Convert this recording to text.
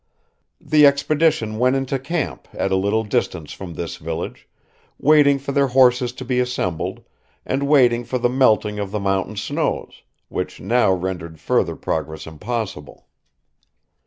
The expedition went into camp at a little distance from this village, waiting for their horses to be assembled, and waiting for the melting of the mountain snows, which now rendered further progress impossible.